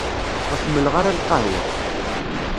Ur ḥemmleɣ ara lqahwa.